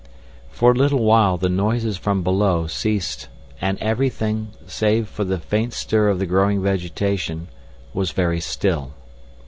For a little while the noises from below ceased and everything, save for the faint stir of the growing vegetation, was very still.